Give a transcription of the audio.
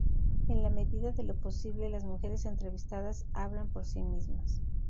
En la medida de lo posible, las mujeres entrevistadas hablan por sí mismas.